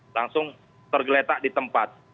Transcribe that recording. langsung tergeletak di tempat